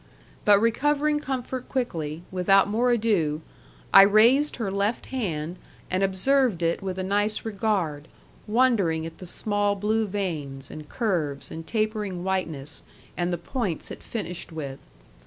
But recovering comfort quickly, without more ado, I raised her left hand and observed it with a nice regard, wondering at the small blue veins, and curves, and tapering whiteness, and the points it finished with.